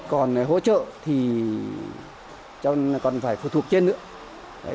còn hỗ trợ thì còn phải phụ thuộc trên nữa